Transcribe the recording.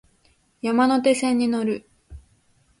山手線に乗る